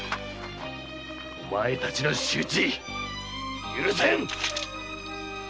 お前たちの仕打ち許せん！